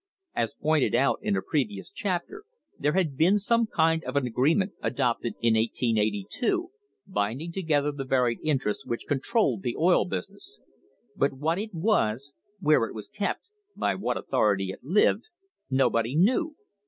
As pointed out in a previous chapter, there had been some kind of an agreement adopted in 1882, binding together the varied interests which controlled the oil business. But what it was, where it was kept, by what authority it lived, nobody knew.